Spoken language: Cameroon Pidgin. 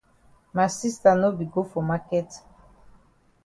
Ma sista no be go for maket.